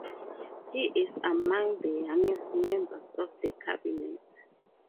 He is among the youngest members of the cabinet.